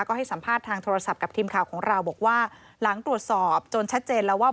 ก็ให้สัมภาษณ์ทางโทรศัพท์กับทีมข่าวของเราบอกว่าหลังตรวจสอบจนชัดเจนแล้วว่า